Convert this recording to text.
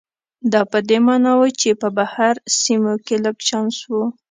دا په دې معنا و چې په بهر سیمو کې لږ چانس و.